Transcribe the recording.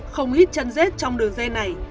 không ít chân rết trong đường dây này